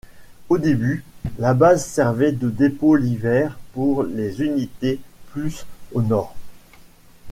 Au début, la base servait de dépôt l'hiver pour les unités plus au nord.